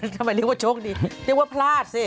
ทำไมเรียกว่าโชคดีเรียกว่าพลาดสิ